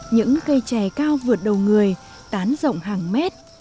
những cây trẻ cao vượt đầu người tán rộng hàng mét